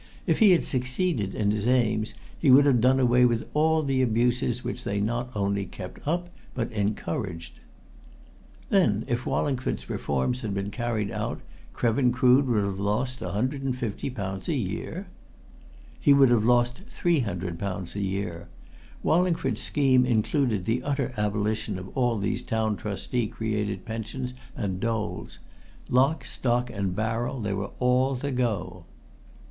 If he had succeeded in his aims, he would have done away with all the abuses which they not only kept up but encouraged." "Then, if Wallingford's reforms had been carried out, Krevin Crood would have lost £150 a year?" "He would have lost £300 a year. Wallingford's scheme included the utter abolition of all these Town Trustee created pensions and doles. Lock, stock and barrel, they were all to go."